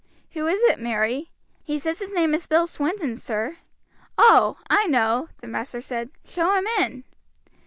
"Who is it, Mary?" "He says his name is Bill Swinton, sir." "Oh! I know," the master said; "show him in."